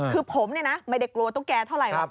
คือผมไม่ได้กลัวตุ๊กแก่เท่าไร